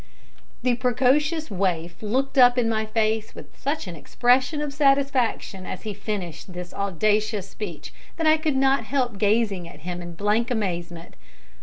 The precocious waif looked up in my face with such an expression of satisfaction as he finished this audacious speech, that I could not help gazing at him in blank amazement.